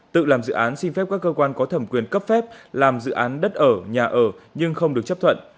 tự làm dự án xin phép các cơ quan có thẩm quyền cấp phép làm dự án đất ở nhà ở nhưng không được chấp thuận